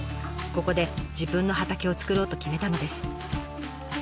ここで自分の畑を作ろうと決めたのです。